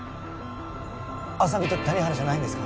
浅見と谷原じゃないんですか？